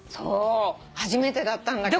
初めてだったんだけど。